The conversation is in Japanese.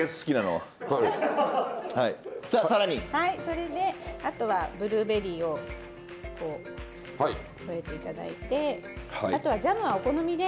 はいそれであとはブルーベリーをこう添えて頂いてあとはジャムはお好みで。